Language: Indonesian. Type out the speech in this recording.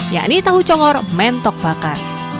yakni tahu congor mentok bakar